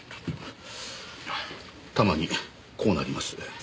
たまにこうなります。